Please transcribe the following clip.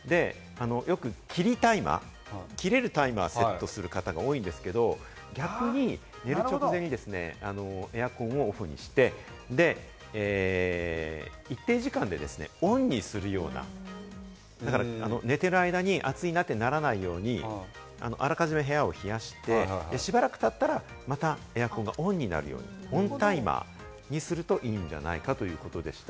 よく切りタイマー、切れるタイマーをセットする方が多いんですけれども、逆に寝る直前にですね、エアコンをオフにして、一定時間でですね、オンにするような、寝ている間に暑いなとならないように、あらかじめ部屋を冷やして、しばらくたったら、またエアコンがオンになるようにオンタイマーにするといいんじゃないかということでした。